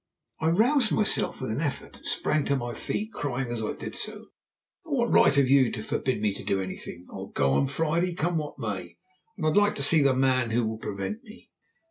I roused myself with an effort, and sprang to my feet, crying as I did so: "And what right have you to forbid me to do anything? I'll go on Friday, come what may. And I'd like to see the man who will prevent me."